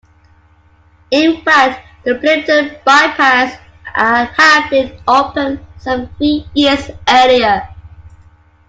In fact, the Plympton bypass had been open some three years earlier.